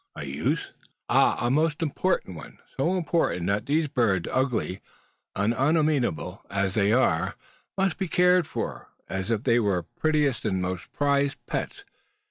"A use?" "Ah, a most important one; so important that these birds, ugly and unamiable as they are, must be cared for, as if they were the prettiest and most prized of pets.